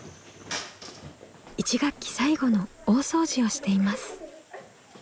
１学期最後の大掃除をしています。